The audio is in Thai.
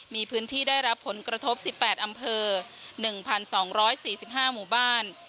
มีพื้นที่ได้รับผลกระทบสิบแปดอำเภอหนึ่งพันสองร้อยสี่สิบห้าหมู่บ้าน